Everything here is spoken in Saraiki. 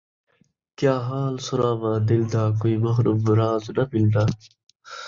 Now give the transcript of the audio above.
کیا حال سݨاواں دل دا ـ کوئی محرم راز نہ ملدا